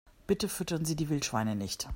Bitte füttern Sie die Wildschweine nicht!